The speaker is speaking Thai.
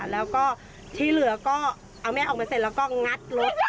แล้วก็ที่เหลือก็เอาแม่ออกมาเสร็จแล้วก็งัดรถ